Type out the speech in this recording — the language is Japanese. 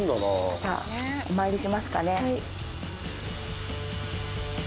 じゃあお参りしますかね。